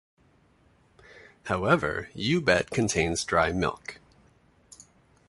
However, U-bet contains dry milk.